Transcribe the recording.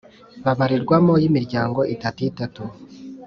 babarirwamo y imiryango itatu itatu